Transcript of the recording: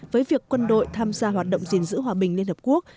với việc quân đội tham gia hoạt động gìn giữ hòa bình liên hợp quốc